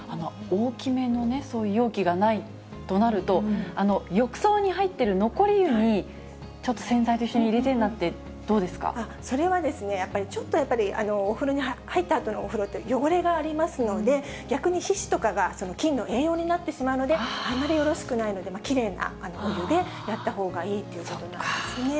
大きめのそういう容器がないとなると、浴槽に入ってる残り湯に、ちょっと洗剤と一緒に入れてなんて、それはですね、やっぱりちょっと、お風呂に入ったあとのお風呂って、汚れがありますので、逆に皮脂とかが菌の栄養になってしまうので、あまりよろしくないので、きれいなお湯でやったほうがいいっていうことなんですね。